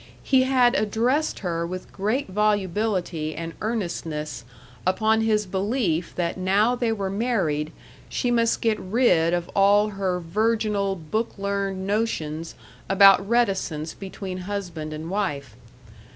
He had addressed her with great volubility and earnestness upon his belief that now they were married, she must get rid of all her virginal book learned notions about reticence between husband and wife.